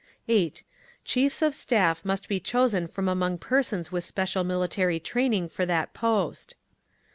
8. Chiefs of Staff must be chosen from among persons with special military training for that post.